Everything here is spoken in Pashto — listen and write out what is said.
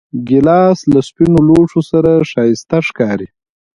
ګیلاس له سپینو لوښو سره ښایسته ښکاري.